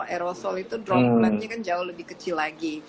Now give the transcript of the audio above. aerosol itu drop downnya kan jauh lebih kecil lagi